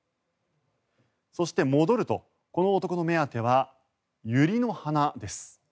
そして、戻るとこの男の目当てはユリの花です。